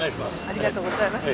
ありがとうございます。